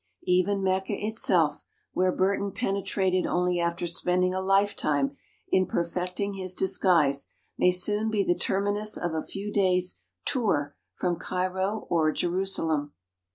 Even Mecca itself, where Burton penetrated only after spending a lifetime in perfecting his disguise, may soon be the terminus of a few days' "tour" from Cairo or Jerusalem.